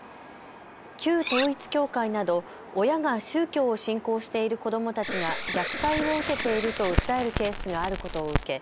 旧統一教会など親が宗教を信仰している子どもたちが虐待を受けていると訴えるケースがあることを受け